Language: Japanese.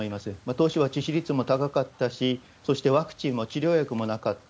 当初は致死率も高かったし、そしてワクチンも治療薬もなかった。